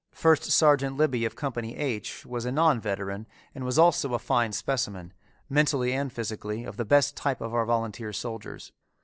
First Sergeant Libey of Company H, was a non veteran, and was also a fine specimen, mentally and physically, of the best type of our volunteer soldiers.